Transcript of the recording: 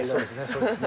そうですね。